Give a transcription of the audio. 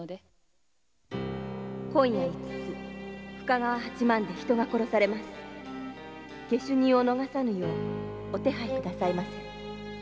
「今夜五つ深川・八幡で人が殺されます」「下手人を逃さぬようお手配くださいまし」